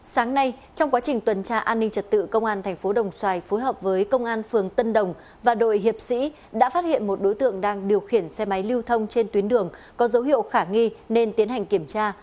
sáng nay trong quá trình tuần tra an ninh trật tự công an thành phố đồng xoài phối hợp với công an phường tân đồng và đội hiệp sĩ đã phát hiện một đối tượng đang điều khiển xe máy lưu thông trên tuyến đường có dấu hiệu khả nghi nên tiến hành kiểm tra